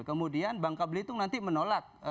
kemudian bangka belitung nanti menolak